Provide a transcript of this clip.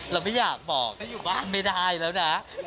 เราไม่อยากบอกถ้าอยู่บ้านไม่ได้แล้วนะ